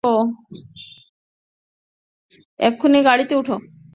এক্ষুণি গাড়ীতে উঠো!